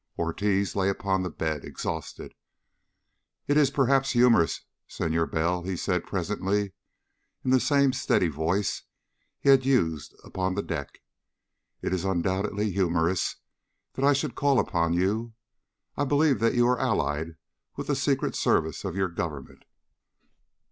Ortiz lay upon the bed, exhausted. "It is perhaps humorous, Senor Bell," he said presently, in the same steady voice he had used upon the deck. "It is undoubtedly humorous that I should call upon you. I believe that you are allied with the Secret Service of your government."